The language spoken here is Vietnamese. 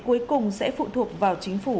cuối cùng sẽ phụ thuộc vào chính phủ